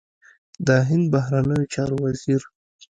د هند بهرنیو چارو وزیر